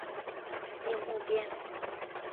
宁木边。